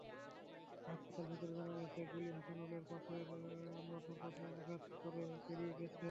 হাসপাতাল সূত্রে জানা গেছে, গুলি হাসানুলের মাথার পাশে আঘাত করে বেরিয়ে গেছে।